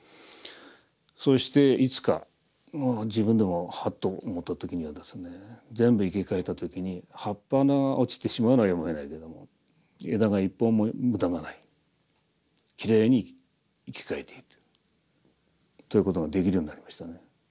そうしていつか自分でもハッと思った時にはですね全部生け替えた時に葉っぱが落ちてしまうのはやむをえないけども枝が１本も無駄がないきれいに生け替えているということができるようになりましたね。